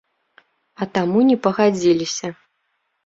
А таму не пагадзіліся.